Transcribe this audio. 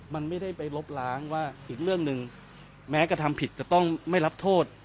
มันไม่ได้ไปลบล้างว่าอีกเรื่องหนึ่งแม้กระทำผิดจะต้องไม่รับโทษ